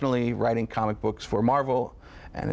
จริงสิบสัปดาห์